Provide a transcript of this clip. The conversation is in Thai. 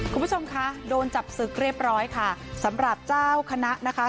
คุณผู้ชมคะโดนจับศึกเรียบร้อยค่ะสำหรับเจ้าคณะนะคะ